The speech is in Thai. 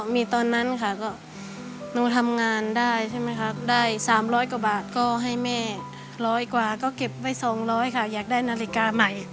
มีตอนนั้นค่ะก็หนูทำงานได้ใช่ไหมคะได้๓๐๐กว่าบาทก็ให้แม่ร้อยกว่าก็เก็บไว้๒๐๐ค่ะอยากได้นาฬิกาใหม่